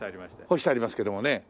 干してありますけどもね。